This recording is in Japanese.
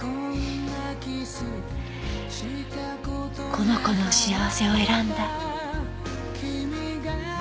この子の幸せを選んだ。